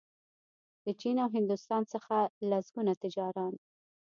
له چین او هندوستان څخه لسګونه تجاران